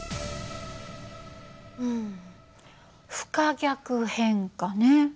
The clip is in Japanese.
うん不可逆変化ね。